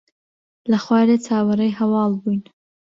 لە خوارێ چاوەڕێی هەواڵ بووین.